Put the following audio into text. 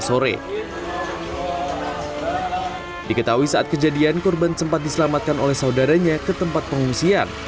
sore diketahui saat kejadian korban sempat diselamatkan oleh saudaranya ke tempat pengungsian